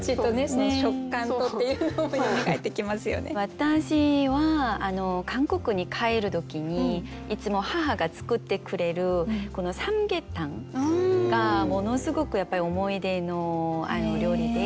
私は韓国に帰る時にいつも母が作ってくれるサムゲタンがものすごくやっぱり思い出の料理で。